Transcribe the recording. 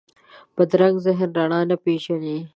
بدرنګه ذهن رڼا نه پېژني